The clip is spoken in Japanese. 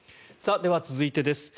では、続いてです。